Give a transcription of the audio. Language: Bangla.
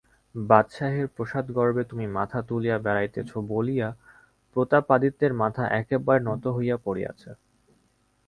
বাদশাহের প্রসাদগর্বে তুমি মাথা তুলিয়া বেড়াইতেছ বলিয়া প্রতাপাদিত্যের মাথা একেবারে নত হইয়া পড়িয়াছে।